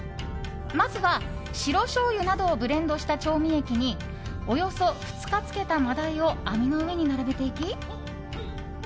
まずは、白しょうゆなどをブレンドした調味液におよそ２日漬けた真鯛を網の上に並べていき